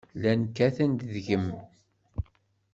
Llan kkaten-d deg-m.